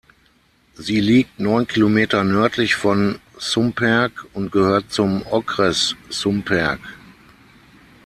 Sie liegt neun Kilometer nördlich von Šumperk und gehört zum Okres Šumperk.